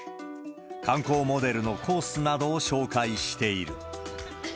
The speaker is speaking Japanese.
観光モデルのコースなどを紹介している。